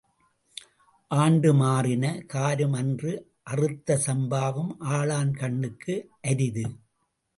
ஆண்டு மாறின காரும் அன்று அறுத்த சம்பாவும் ஆளன் கண்ணுக்கு அரிது.